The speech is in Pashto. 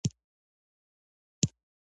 یو ملګری په تیاره کې مڼې خوړلې خو بل پرې پوه شو